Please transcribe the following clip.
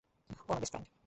ও আমার best friend.